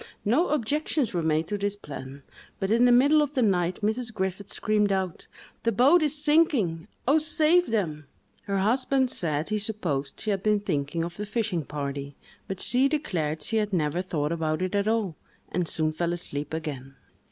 No objections were made to this plan; but in the middle of the night, Mrs. Griffiths screamed out, "The boat is sinking!—oh, save them!" Her husband said he supposed she had been thinking of the fishing party, but she declared she had never thought about it at all, and soon fell asleep again.